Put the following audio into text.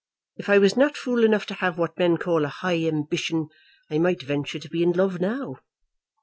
If I was not fool enough to have what men call a high ambition I might venture to be in love now."